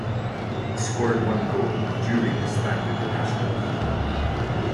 He scored one goal during his time with the national team.